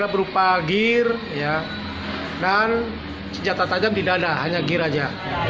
berupa gir dan senjata tajam tidak ada hanya gir saja